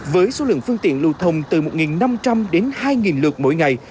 với số lượng phương tiện lưu thông từ một năm trăm linh đến hai lượt mỗi ngày